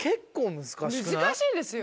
難しいですよ。